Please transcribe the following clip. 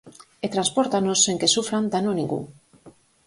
E transpórtanos sen que sufran dano ningún.